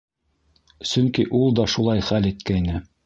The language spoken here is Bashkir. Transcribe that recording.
Сөнки ул да шулай хәл иткәйне